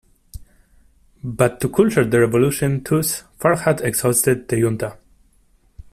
But to culture the Revolution thus far had exhausted the Junta.